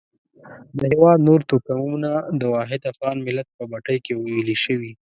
د هېواد نور توکمونه د واحد افغان ملت په بټۍ کې ویلي شوي.